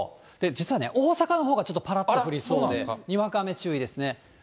実はね、大阪のほうがちょっとぱらっと降りそうでにわか雨注意ですね。